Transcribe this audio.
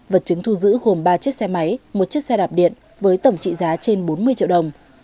vật chứng thu giữ gồm ba chiếc xe máy một chiếc xe đạp điện với tổng trị giá trên bốn mươi triệu đồng